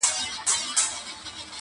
پتڼ خو نه یم چي د عقل برخه نه لرمه؛